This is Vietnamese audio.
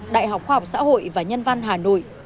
đại học khoa học xã hội và nhân văn hà nội